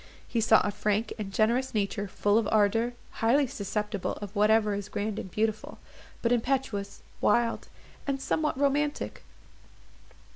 He saw a frank and generous nature, full of ardour, highly susceptible of whatever is grand and beautiful, but impetuous, wild, and somewhat romantic.